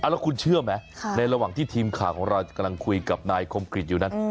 แล้วคุณเชื่อไหมในระหว่างที่ทีมข่าวของเรากำลังคุยกับนายคมกริจอยู่นั้น